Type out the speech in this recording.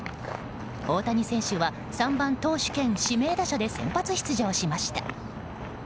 大谷選手は３番投手兼指名打者で先発出場しました。